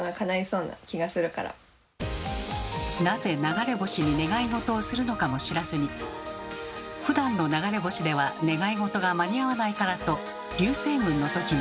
なぜ流れ星に願いごとをするのかも知らずにふだんの流れ星では願いごとが間に合わないからと流星群の時に。